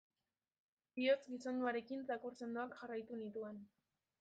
Bihotz gizonduarekin txakur sendoak jarraitu nituen.